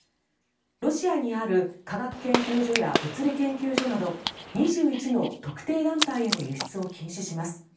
ロシアにある科学研究所や物理研究所など２１の特定団体への輸出を禁止します。